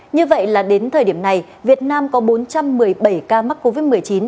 như vậy là đến thời điểm này việt nam có bốn trăm một mươi bảy ca mắc covid một mươi chín